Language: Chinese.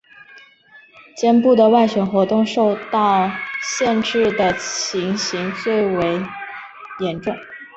肩部的外旋活动受到限制的情形最严重。